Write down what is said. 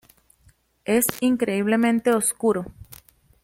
Es increíblemente oscuro.